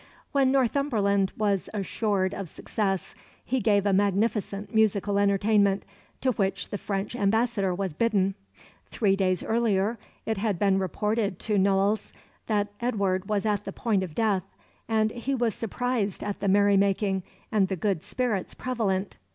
When Northumberland was assured of success he gave a magnificent musical entertainment, to which the French ambassador was bidden. Three days earlier it had been reported to Noailles that Edward was at the point of death, and he was surprised at the merry making and the good spirits prevalent.